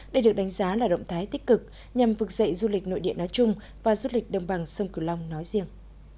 đây được đánh giá là động thái tích cực nhằm vực dậy du lịch nội địa nói chung và du lịch đồng bằng sông cửu long nói riêng